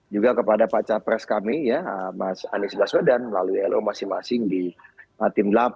juga kepada pacar pres kami mas anies baswedan lalu lo masing masing di tim delapan